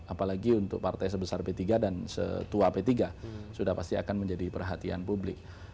apalagi untuk partai sebesar p tiga dan setua p tiga sudah pasti akan menjadi perhatian publik